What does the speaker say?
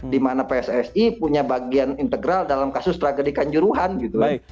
dimana pssi punya bagian integral dalam kasus tragedi kanjuruhan gitu kan